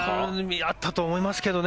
あったと思いますけどね。